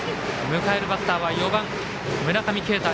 迎えるバッターは４番、村上慶太。